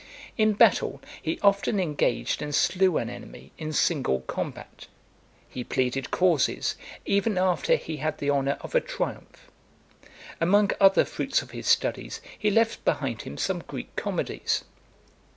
In battle, he often engaged and slew an enemy in single combat. He pleaded causes, even after he had the honour of a triumph. Among other fruits of his studies, he left behind him some Greek comedies.